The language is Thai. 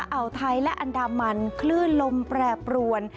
อ่าวไทยและอันดามันคลื่นลมแปรปรวน